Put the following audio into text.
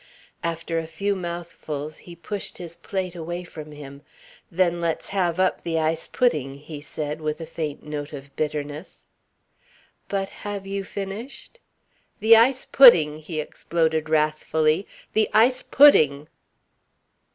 After a few mouthfuls he pushed his plate away from him. "Then let's have up the ice pudding," he said with a faint note of bitterness. "But have you finished ?" "The ice pudding!" he exploded wrathfully. "The ice pudding!"